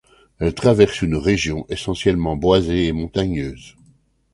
Elle traverse une région essentiellement boisée et montagneuse.